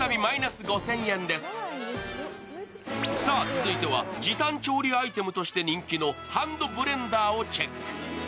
続いては時短調理アイテムとして人気のハンドブレンダーをチェック。